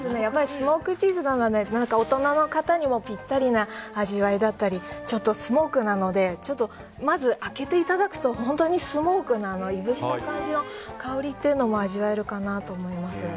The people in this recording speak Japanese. スモークチーズなので大人の方にもぴったりな味わいだったりスモークなのでまず、開けていただくと本当にスモークのいぶした感じの香りというのも味わえるかなと思います。